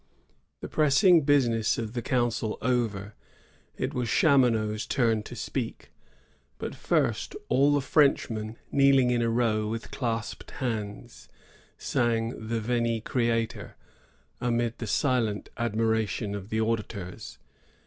The pressing business of the council over, it was Chaumonot*s turn to speak. But, first, all the Frenchmen, kneeling in a row, with clasped hands, sang the Vent Creator, amid the silent admiration of the auditors.